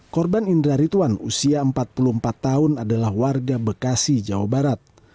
korban indra rituan usia empat puluh empat tahun adalah warga bekasi jawa barat